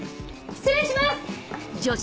失礼します！